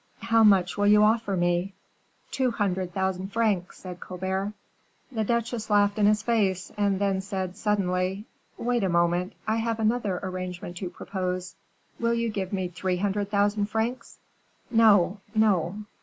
"How much will you offer me?" "Two hundred thousand francs," said Colbert. The duchesse laughed in his face, and then said, suddenly, "Wait a moment, I have another arrangement to propose; will you give me three hundred thousand francs?" "No, no."